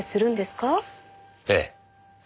ええ。